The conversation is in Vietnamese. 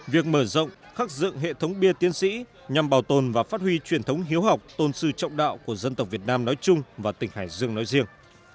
việc mở rộng khắc dựng hệ thống bia tiến sĩ nhằm bảo tồn và phát huy truyền thống hiếu học tôn sư trọng đạo của dân tộc việt nam nói chung và tỉnh hải dương nói riêng